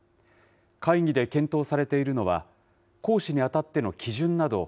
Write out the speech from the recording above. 会議で検討されているのは、行使にあたっての基準など。